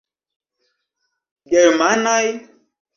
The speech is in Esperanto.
Germanaj?